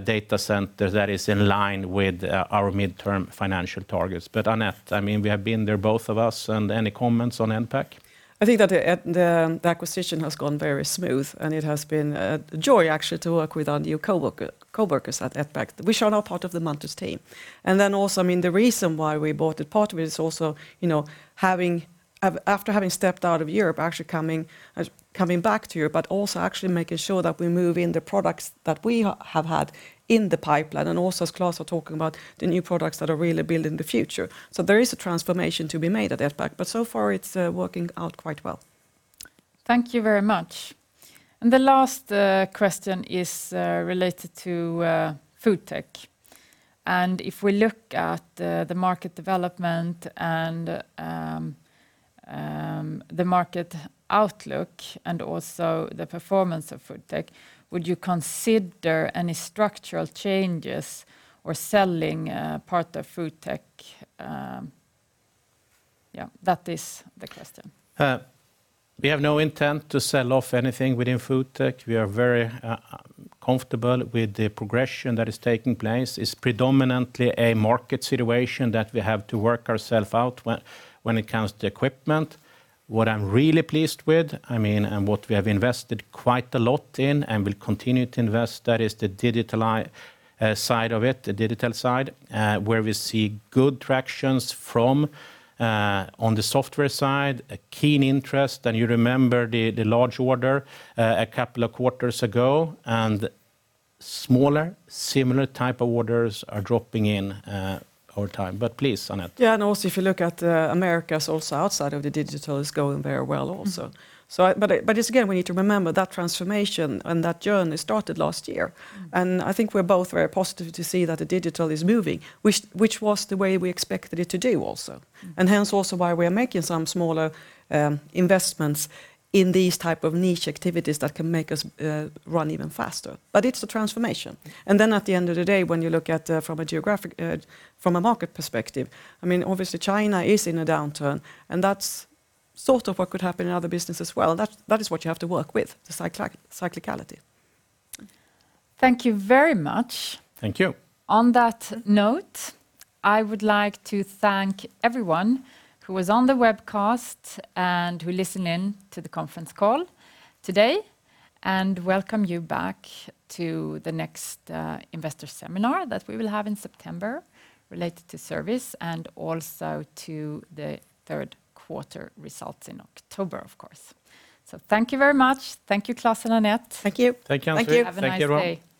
Data Center that is in line with our midterm financial targets. Anette, I mean, we have been there both of us, and any comments on EDPAC? I think that the acquisition has gone very smooth, and it has been a joy actually to work with our new coworkers at EDPAC, which are now part of the Munters team. Then also, I mean, the reason why we bought it, part of it is also, you know, after having stepped out of Europe, actually coming back to Europe, but also actually making sure that we move in the products that we have had in the pipeline, and also as Klas was talking about, the new products that are really built in the future. There is a transformation to be made at EDPAC, but so far it's working out quite well. Thank you very much. The last question is related to FoodTech. If we look at the market development and the market outlook and also the performance of FoodTech, would you consider any structural changes or selling part of FoodTech? Yeah, that is the question. We have no intent to sell off anything within FoodTech. We are very comfortable with the progression that is taking place. It's predominantly a market situation that we have to work ourself out when it comes to equipment. What I'm really pleased with, I mean, and what we have invested quite a lot in and will continue to invest, that is the digital side, where we see good tractions from on the software side, a keen interest. You remember the large order a couple of quarters ago, and smaller similar type of orders are dropping in over time. Please, Anette. If you look at Americas also outside of the digital is going very well also. Just again, we need to remember that transformation and that journey started last year. I think we're both very positive to see that the digital is moving, which was the way we expected it to do also. Hence also why we are making some smaller investments in these type of niche activities that can make us run even faster. It's a transformation. At the end of the day, when you look at from a geographic from a market perspective, I mean, obviously China is in a downturn, and that's sort of what could happen in other business as well. That is what you have to work with, the cyclicality. Thank you very much. Thank you. On that note, I would like to thank everyone who was on the webcast and who listened in to the conference call today, and welcome you back to the next investor seminar that we will have in September related to service and also to the third quarter results in October, of course. Thank you very much. Thank you, Klas and Anette. Thank you. Thank you. Have a nice day.